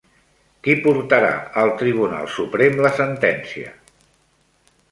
Qui portarà al Tribunal Suprem la sentència?